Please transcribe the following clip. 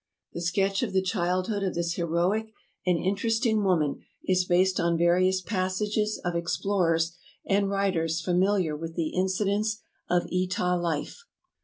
* The sketch of the childhood of this heroic and inter esting woman is based on various passages of explorers and writers familiar with the incidents of Etah life.